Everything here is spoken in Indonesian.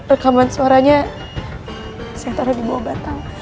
rekaman suaranya saya taruh di bawah batang